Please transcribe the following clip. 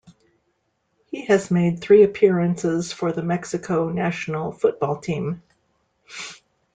He has made three appearances for the Mexico national football team.